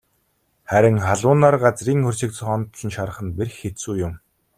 Харин халуун нар газрын хөрсийг цоонотол шарах нь бэрх хэцүү юм.